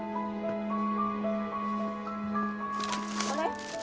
あれ？